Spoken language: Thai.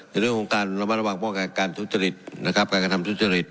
ในเรื่องของการระมัดระวังป้องกันการทุจริตนะครับการกระทำทุจริต